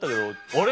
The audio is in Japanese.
あれ？